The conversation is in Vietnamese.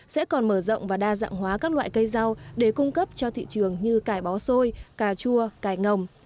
sẽ còn mở rộng và đa dạng hóa các loại cây rau để cung cấp cho thị trường như cải bó xôi cà chua cài ngồng